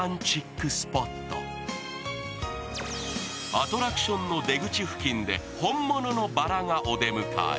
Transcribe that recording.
アトラクションの出口付近で本物のバラがお出迎え。